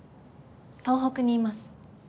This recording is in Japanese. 東北にいます。